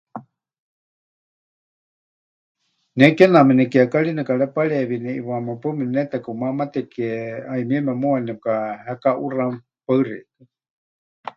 Ne kename nekiekari nekarepareewie neʼiwaáma paɨ mepɨnetekumamateke, 'ayumieme muuwa nepɨkahekaʼuxa. Paɨ xeikɨ́a.